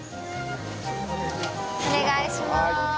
お願いします。